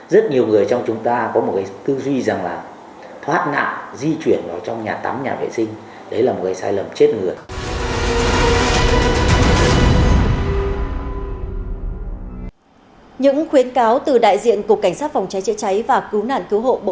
rất nhiều người trong chúng ta có một tư duy rằng là thoát nạn di chuyển vào trong nhà tắm nhà vệ sinh đấy là một người sai lầm chết người